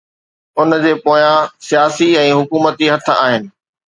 ان جي پويان سياسي ۽ حڪومتي هٿ آهن